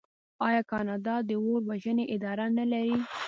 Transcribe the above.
آیا کاناډا د اور وژنې اداره نلري؟